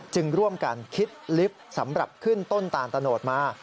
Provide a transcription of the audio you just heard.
จึงร่วมกันคิดลิฟต์สำหรับขึ้นต้นตาลตะโนดมา